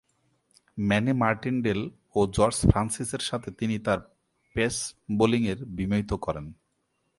Many Martindale ও George ফ্রান্সিসের সাথে তিনি তার পেস বোলিংয়ে বিমোহিত করেন।